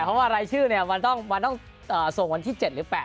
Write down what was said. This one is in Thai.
เพราะว่ารายชื่อมันต้องส่งวันที่๗หรือ๘